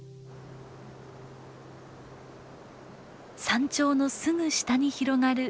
山頂のすぐ下に広がる藪